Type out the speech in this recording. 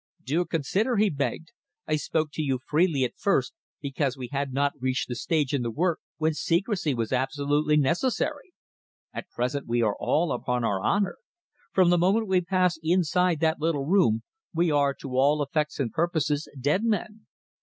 "Do consider," he begged. "I spoke to you freely at first because we had not reached the stage in the work when secrecy was absolutely necessary. At present we are all upon our honour. From the moment we pass inside that little room, we are, to all effects and purposes, dead men.